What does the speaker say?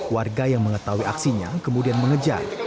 warga yang mengetahui aksinya kemudian mengejar